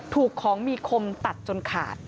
ถูกของมีคมตัดจนขาด